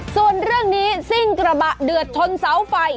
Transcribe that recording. ส่วนเรื่องนี้ซิ่งกระบะเดือดชนเสาไฟ